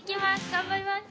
頑張ります。